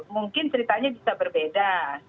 mungkin ceritanya bisa berbeda